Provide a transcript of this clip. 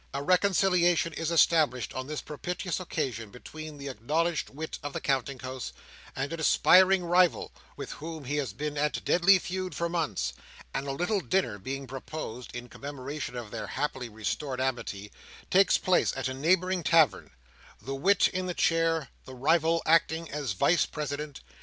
A reconciliation is established on this propitious occasion between the acknowledged wit of the Counting House and an aspiring rival, with whom he has been at deadly feud for months; and a little dinner being proposed, in commemoration of their happily restored amity, takes place at a neighbouring tavern; the wit in the chair; the rival acting as Vice President.